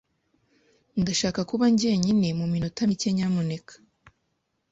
Ndashaka kuba jyenyine muminota mike nyamuneka.